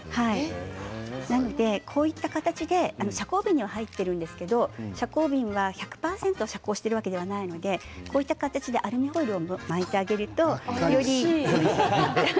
なので、こういった形で遮光瓶には入っているんですけど遮光瓶は１００％遮光しているわけではないのでアルミホイルを巻いてあげるとより。